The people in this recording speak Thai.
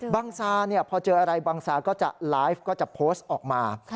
ซาพอเจออะไรบังซาก็จะไลฟ์ก็จะโพสต์ออกมา